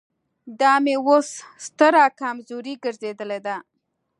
دا مې اوس ستره کمزوري ګرځېدلې ده.